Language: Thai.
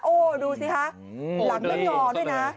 โอ้ดูสิคะหลังได้อ่อนด้วยนะ